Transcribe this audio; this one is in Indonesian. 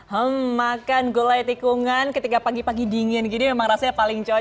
hmm makan gulai tikungan ketika pagi pagi dingin gini memang rasanya paling cocok